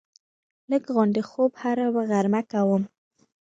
لږ غوندې خوب هره غرمه کومه